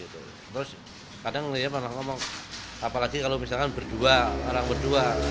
terus kadang ngomong ngomong apalagi kalau misalnya berdua orang berdua